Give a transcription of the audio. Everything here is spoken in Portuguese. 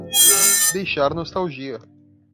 Deixar nostalgia